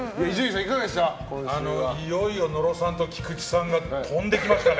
いよいよ野呂さんと菊地さんが飛んできましたね。